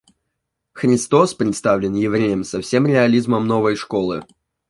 Христос представлен Евреем со всем реализмом новой школы.